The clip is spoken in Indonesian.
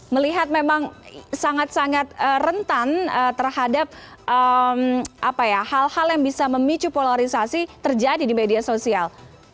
melihat memang sangat sangat rentan terhadap hal hal yang bisa memicu polarisasi terjadi di media sosial